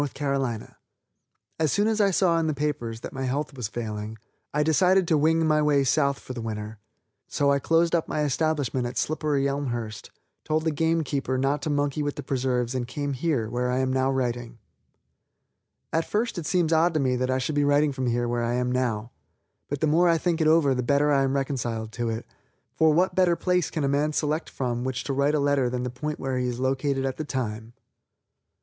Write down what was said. C. As soon as I saw in the papers that my health was failing, I decided to wing my way South for the winter. So I closed up my establishment at Slipperyelmhurst, told the game keeper not to monkey with the preserves and came here, where I am now writing. At first it seems odd to me that I should be writing from where I now am, but the more I think it over the better I am reconciled to it, for what better place can a man select from which to write a letter than the point where he is located at the time.